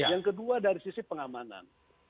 yang kedua dari sisi pengamanan